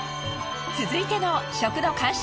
続いての食の感謝